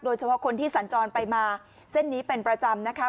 โดยเฉพาะคนที่สัญจรไปมาเส้นนี้เป็นประจำนะคะ